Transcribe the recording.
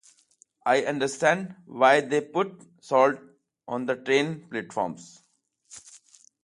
I understand why they put salt on the train platforms.